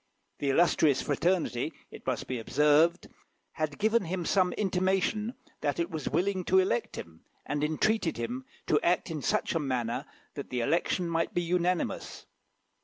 The illustrious fraternity, it must be observed, had given him some intimation that it was willing to elect him, and entreated him to act in such a manner that the election might be unanimous.